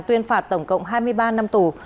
tuyên phạt tổng cộng hai mươi ba năm tù